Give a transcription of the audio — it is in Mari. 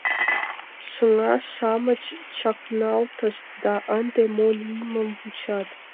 Шыҥа-шамыч чакналтышт да ынде мо лиймым вучат.